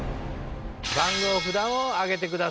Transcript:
番号札を上げてください。